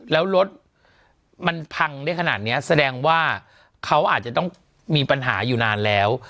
แล้วรถมันพังได้ขนาดนี้แสดงว่าเขาอาจจะต้องมีปัญหาอยู่นานแล้ว